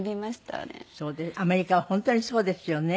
アメリカは本当にそうですよね。